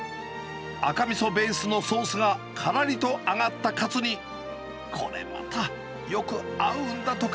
赤みそベースのソースがからりと揚がったカツにこれまたよく合うんだとか。